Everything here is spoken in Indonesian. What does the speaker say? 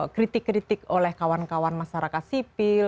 kritik kritik oleh kawan kawan masyarakat sipil